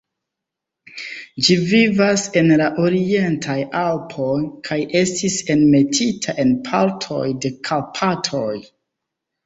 Ĝi vivas en la Orientaj Alpoj, kaj estis enmetita en partoj de Karpatoj.